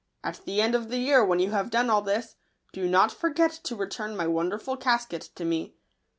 At the end of the year, when you have done all this, do not forget to return my wonderful casket to me."